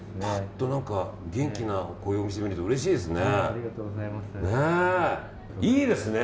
元気なこういうお店を見るとうれしいですね。